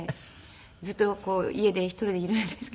ずっと家で１人でいるんですけど。